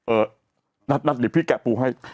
เออนะครับหนึ่งพี่แกะปูให้